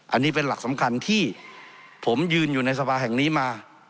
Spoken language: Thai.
อันนี้เป็นหลักสำคัญที่ผมยืนอยู่ในสภาแห่งนี้มา